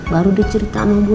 baru dia cerita sama gue